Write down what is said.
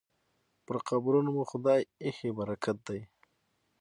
پر قبرونو مو خدای ایښی برکت دی